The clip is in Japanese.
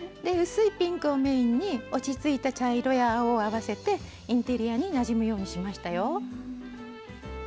薄いピンクをメインに落ち着いた茶色や青を合わせてインテリアになじむようにしましたよ。